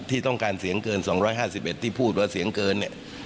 ที่ต้องการเสียงเกิน๒๕๑ที่พูดว่าเสียงเกินเนี่ย